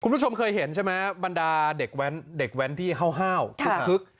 คุณผู้ชมเคยเห็นใช่ไหมบรรดาเด็กแว้นที่ห้าวคึกคึก